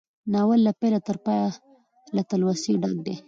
ناول له پيله تر پايه له تلوسې ډک دی.